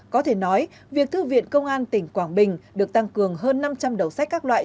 có thể nói việc thư viện công an tỉnh quảng bình được tăng cường hơn năm trăm linh đầu sách các loại